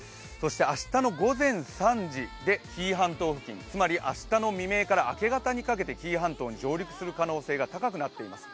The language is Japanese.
明日の午前３時で紀伊半島付近、つまり明日の未明から明け方にかけて紀伊半島に上陸するおそれが高くなっています。